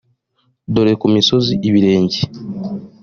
dore ku misozi ibirenge